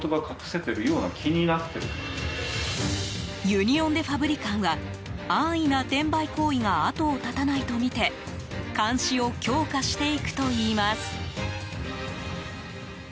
ユニオン・デ・ファブリカンは安易な転売行為が後を絶たないとみて監視を強化していくといいます。